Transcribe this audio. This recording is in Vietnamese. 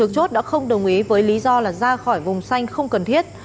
chốt đã không đồng ý với lý do ra khỏi vùng xanh không cần thiết